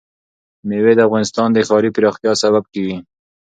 مېوې د افغانستان د ښاري پراختیا سبب کېږي.